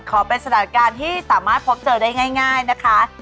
ขอเป็นสถานการณ์ที่สามารถพบเจอได้ง่ายนะคะ